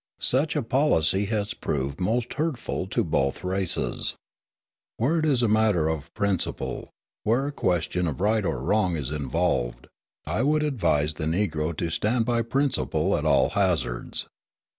Such a policy has proved most hurtful to both races. Where it is a matter of principle, where a question of right or wrong is involved, I would advise the Negro to stand by principle at all hazards.